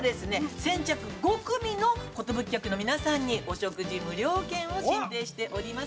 先着５組の寿客の皆さんに、お食事無料券を進呈しております。